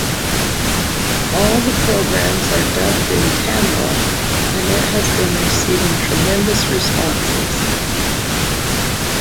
All the programmes are dubbed in Tamil and it has been receiving tremendous responses.